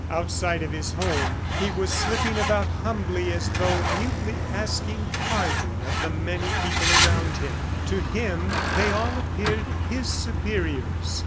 Outside of his home he was slipping about humbly as though mutely asking pardon of the many people around him. To him they all appeared his superiors.